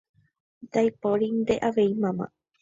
ndaipórinte avei mama